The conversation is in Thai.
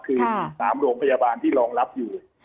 คือ๓โรงพยาบาลที่รองรับอยู่